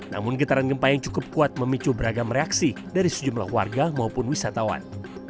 namun getaran gempa yang cukup kuat memicu beragam reaksi dari sejumlah warga maupun wisatawan